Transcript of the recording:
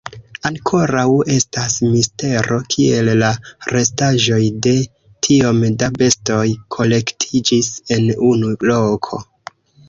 Ankoraŭ estas mistero kiel la restaĵoj de tiom da bestoj kolektiĝis en unu loko.